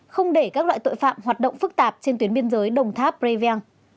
không để các loại tội phạm hoạt động phức tạp trên tuyến biên giới đồng tháp previean